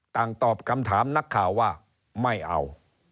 ต่างตอบคำถามนักข่าวว่าไม่เอา